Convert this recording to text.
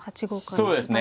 そうですね。